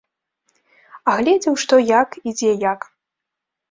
Агледзеў, што як і дзе як.